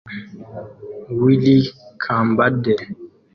Willy Kyambadde